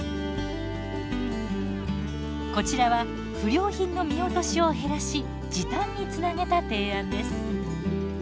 こちらは不良品の見落としを減らし時短につなげた提案です。